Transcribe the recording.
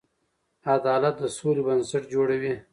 عدالت د سولې بنسټ جوړوي.